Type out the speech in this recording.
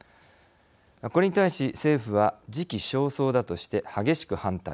これに対し、政府は時期尚早だとして、激しく反対。